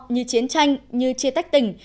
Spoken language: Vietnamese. như chiến tranh như chia tách tình